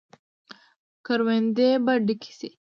کروندې به ډکې شي.